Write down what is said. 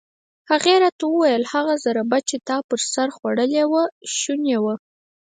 هغې راته وویل: هغه ضربه چې تا پر سر خوړلې وه شونې وه.